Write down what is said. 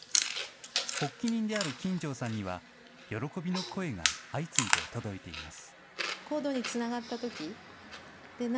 発起人である金城さんには、喜びの声が相次いで届いています。